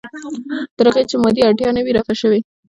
تر هغې چې مادي اړتیا نه وي رفع شوې.